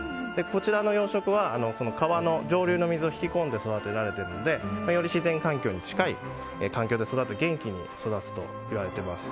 こちらの養殖は川の上流の水を引き込んで育てられているのでより自然環境に近い環境で元気に育つといわれています。